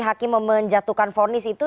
hakim menjatuhkan fornis itu